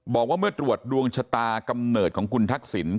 บอกว่าเมื่อตรวจดวงชะตากำเนิดของคุณทักษิณ